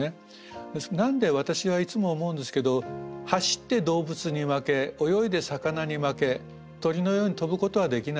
なんで私はいつも思うんですけど走って動物に負け泳いで魚に負け鳥のように飛ぶことはできない。